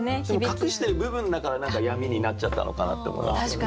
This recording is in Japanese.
隠してる部分だから何か闇になっちゃったのかなって思いますけどね。